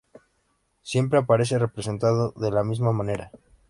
Siempre aparece representado de la misma manera.